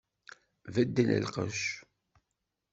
Beddel lqecc!